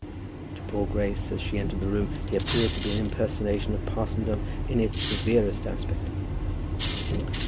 To poor Grace, as she entered the room, he appeared to be an impersonation of parsondom in its severest aspect.